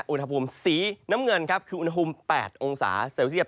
อุณหภูมิสีน้ำเงินครับคืออุณหภูมิ๘องศาเซลเซียต